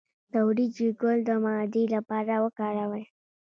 د وریجو ګل د معدې لپاره وکاروئ